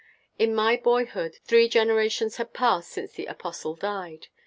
In my boyhood, three generations had passed since the apostle died.